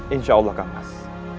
insya allah kangas